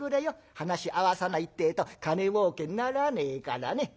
話合わさないってえと金もうけにならねえからね」。